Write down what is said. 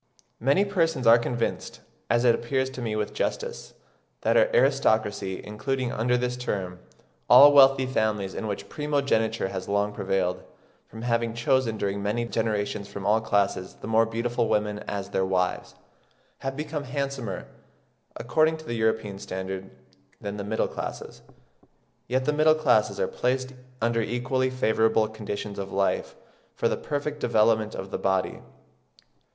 Many persons are convinced, as it appears to me with justice, that our aristocracy, including under this term all wealthy families in which primogeniture has long prevailed, from having chosen during many generations from all classes the more beautiful women as their wives, have become handsomer, according to the European standard, than the middle classes; yet the middle classes are placed under equally favourable conditions of life for the perfect development of the body.